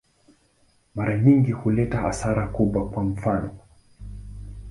Mara nyingi huleta hasara kubwa, kwa mfano.